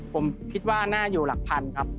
ผมคิดว่าน่าอยู่หลักพันครับ